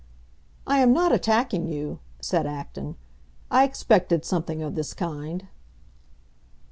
"I am not attacking you," said Acton. "I expected something of this kind."